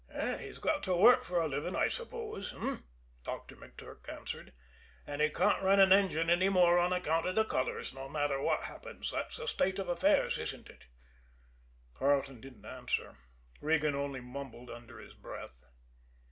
"He's got to work for a living, I suppose eh?" Doctor McTurk answered. "And he can't run an engine any more on account of the colors, no matter what happens. That's the state of affairs, isn't it?" Carleton didn't answer; Regan only mumbled under his breath.